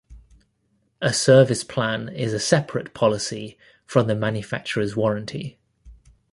A service plan is a separate policy from the manufacturer's warranty.